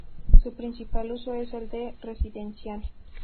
Su principal uso es el de residencial.